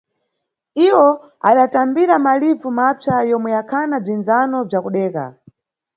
Iwo adatambira malivu mapsa yomwe yakhana bzindzano bza kudeka.